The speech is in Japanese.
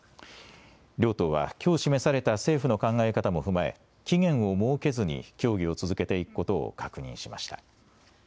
両党はきょう示された政府の考え方も踏まえ期限を設けずに協議を続けていくことを確認しました。